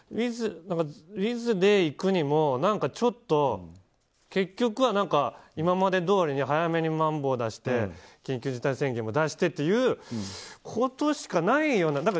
ウィズでいくにもちょっと、結局は今までどおりに早めにまん防を出して緊急事態宣言も出してということしかないような。